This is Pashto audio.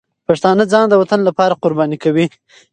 پښتانه ځان د وطن لپاره قرباني کوي.